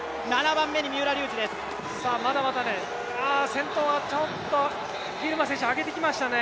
先頭がちょっと、ギルマ選手が上げてきましたね。